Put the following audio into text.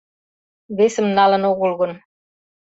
Весым налын огыл гын.